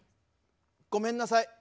ごめんなさい。